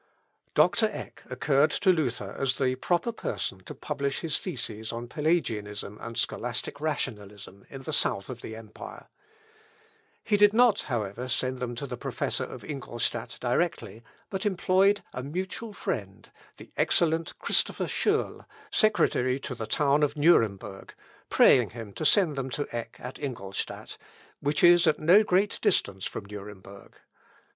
Doctor Eck occurred to Luther as the proper person to publish his theses on Pelagianism and scholastic rationalism in the south of the empire. He did not, however, send them to the professor of Ingolstadt directly, but employed a mutual friend, the excellent Christopher Scheurl, secretary to the town of Nuremberg, praying him to send them to Eck at Ingolstadt, which is at no great distance from Nuremberg.